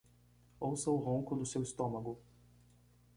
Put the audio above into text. Ouça o ronco do seu estômago